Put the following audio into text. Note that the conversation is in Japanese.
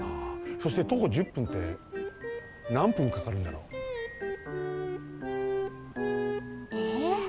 そして徒歩１０分ってなん分かかるんだろう？えっ？